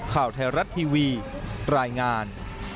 ข่าวไทยรัฐทีวีรายงาน